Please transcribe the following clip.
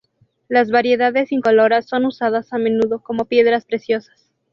Las variedades incoloras son usadas a menudo como piedras preciosas.